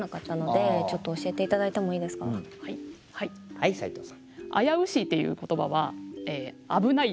はい斉藤さん。